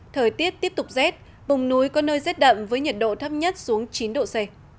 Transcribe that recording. thời tiết tiếp tục rét vùng núi có nơi rét đậm với nhiệt độ thấp nhất xuống chín độ c